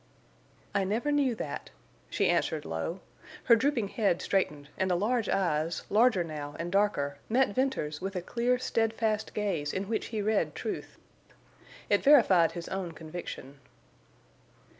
"I never knew that," she answered low. Her drooping head straightened, and the large eyes, larger now and darker, met Venters's with a clear, steadfast gaze in which he read truth. It verified his own conviction.